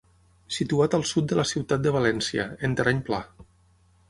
Situat al sud de la ciutat de València, en terreny pla.